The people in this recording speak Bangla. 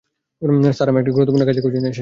স্যার, আমি একটা গুরুত্বপূর্ণ কাজে কোচিনে এসেছি।